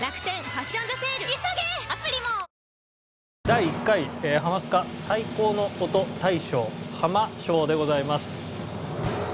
第１回ハマスカ最高の音大賞ハマ賞でございます。